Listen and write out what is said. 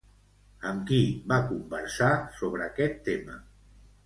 Amb qui va conversar sobre aquest tema?